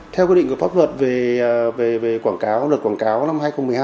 theo quy định của pháp luật về luật quảng cáo năm hai nghìn một mươi hai